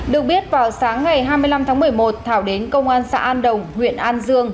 được biết vào sáng ngày hai mươi năm tháng một mươi một thảo đến công an xã an đồng huyện an dương